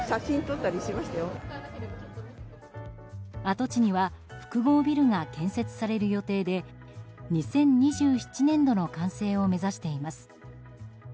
跡地には複合ビルが建設される予定で２０２７年度の完成を目指しています。